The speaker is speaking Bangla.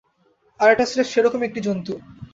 আর এটা স্রেফ সেরকমই একটা জন্তু।